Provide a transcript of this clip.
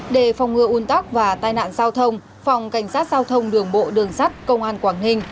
để phòng ngừa un tắc và tai nạn giao thông phòng cảnh sát giao thông đường bộ đường sắt công an quảng ninh